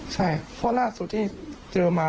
ใช่เพราะล่าสุดที่เจอมา